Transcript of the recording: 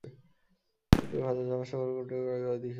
এর পূর্বে জাভা সাগর আর গুটিকয়েক ছোট ছোট দ্বীপ অবস্থিত।